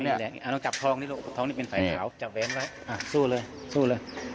ต้องจับท้องนี้ลูกท้องนี้เป็นไฟขาวจับแวนไว้สู้เลยสู้เลย